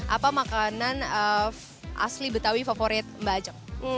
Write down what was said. apa makanan asli betawi favorit mbak ajeng